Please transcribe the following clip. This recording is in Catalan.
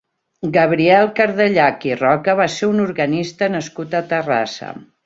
Gabriel Cardellach i Roca va ser un organista nascut a Terrassa.